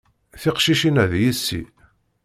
Tiqcicin-a, d yessi.